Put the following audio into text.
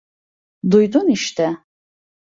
Duydun işte.